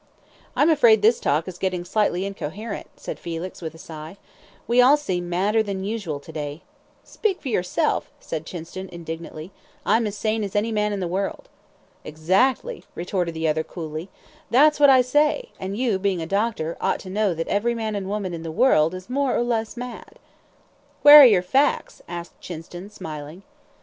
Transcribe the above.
"I'm afraid this talk is getting slightly incoherent," said Felix, with a sigh. "We all seem madder than usual to day." "Speak for yourself," said Chinston, indignantly, "I'm as sane as any man in the world." "Exactly," retorted the other coolly, "that's what I say, and you, being a doctor, ought to know that every man and woman in the world is more or less mad." "Where are your facts?" asked Chinston, smiling.